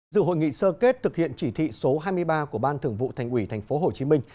dự hội nghị sơ kết thực hiện chỉ thị số hai mươi ba của ban thường vụ thành ủy thành phố hồ chí minh